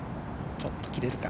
ちょっと切れるか。